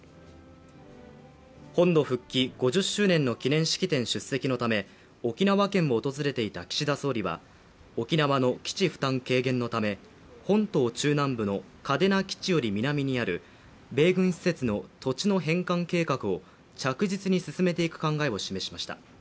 本土復帰５０周年の記念式典出席のため沖縄県を訪れていた岸田総理は沖縄の基地負担軽減のため本島中南部の嘉手納基地より南にある米軍施設の土地の返還計画を着実に進めていく考えを示しました。